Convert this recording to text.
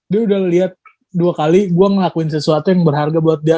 dia udah lihat dua kali gue ngelakuin sesuatu yang berharga buat dia